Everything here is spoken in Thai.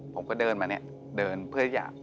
ผมก็เดินมาเนี่ยเดินเพื่ออยาก